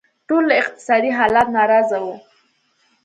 ټول له اقتصادي حالت ناراضه وو.